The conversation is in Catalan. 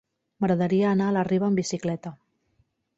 M'agradaria anar a la Riba amb bicicleta.